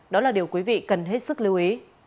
đó là điều quý vị cần hết sức lưu ý